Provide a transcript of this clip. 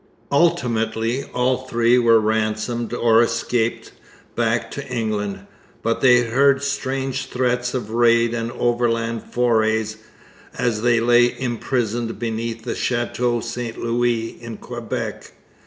Ultimately, all three were ransomed or escaped back to England; but they heard strange threats of raid and overland foray as they lay imprisoned beneath the Château St Louis in Quebec.